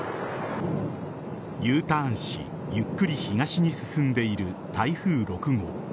Ｕターンしゆっくり東に進んでいる台風６号。